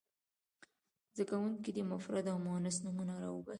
زده کوونکي دې مفرد او مؤنث نومونه را وباسي.